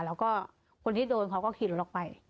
แล้วก็คนที่โดนเขาก็ขิดลงลงไป